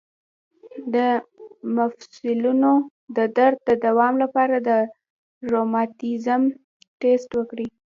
د مفصلونو د درد د دوام لپاره د روماتیزم ټسټ وکړئ